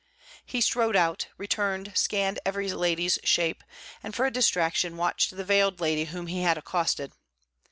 He strode out, returned, scanned every lady's shape, and for a distraction watched the veiled lady whom he had accosted.